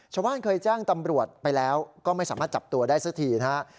ชาวบ้านเคยแจ้งตำรวจไปแล้วก็ไม่สามารถจับตัวได้สักทีนะครับ